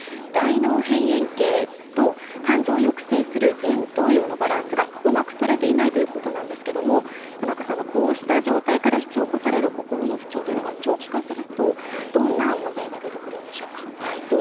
大脳辺縁系と感情を抑制する前頭葉のバランスが、うまくとれていないということなんですけどもこうした状態から引き起こされる心の不調というのが長期化するとどんな問題が出てくるんでしょうか？